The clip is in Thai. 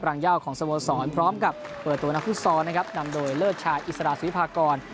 ปรังเยาะของสโมสรฟุตซอร์พร้อมกับเปิดตัวนักฟุตซอร์นะครับนำโดยเลิศชายอิสระสวิภากร